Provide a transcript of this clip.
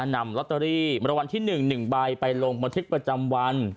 นำลอตเตอรี่มรวรรณที่๑๑ใบไปลงบันทึกประจำวัน